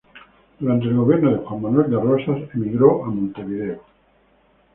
Durante el gobierno de Juan Manuel de Rosas emigró a Montevideo.